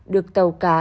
được tàu cá